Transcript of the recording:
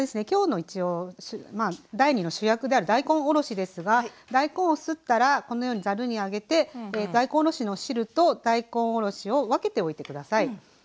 きょうの一応第２の主役である大根おろしですが大根をすったらこのようにざるに上げて大根おろしの汁と大根おろしを分けておいて下さい。